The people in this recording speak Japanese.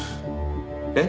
えっ！？